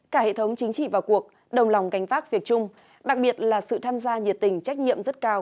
cả hệ thống chính trị vào cuộc đồng lòng canh tác việc chung đặc biệt là sự tham gia nhiệt tình trách nhiệm rất cao